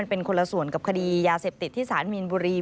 เป็นคนละส่วนกับคดียาเสพติดที่สารมีนบุรี